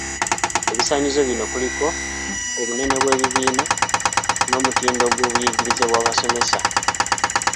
Ebisaanyizo bino kuliko; obunene bw’ebibiina n'omutindo gw’obuyigirize bw’abasomesa.